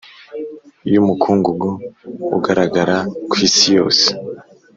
y’umukungugu ugaragara kwisi yose